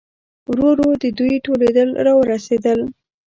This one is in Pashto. ورو ورو دوی ټول راورسېدل.